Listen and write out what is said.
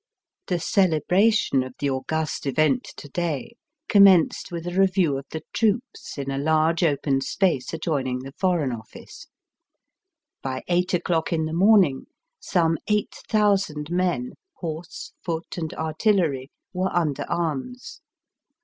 The celebration of the august event to day commenced with a review of the troops in a large open space adjoining the Foreign OflBce. By eight o'clock in the morning some eight thousand men, horse, foot, and artillery, were under arms.